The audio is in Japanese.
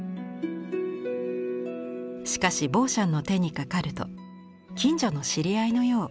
しかしボーシャンの手にかかると近所の知り合いのよう。